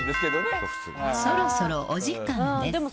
そろそろお時間です。